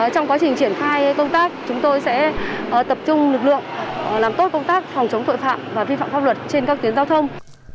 trong quá trình triển khai công tác chúng tôi sẽ tập trung lực lượng làm tốt công tác phòng chống tội phạm và vi phạm pháp luật trên các tuyến giao thông